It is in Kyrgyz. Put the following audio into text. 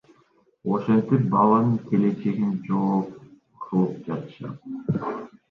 Ошентип баланын келечегин жок кылып жатышат.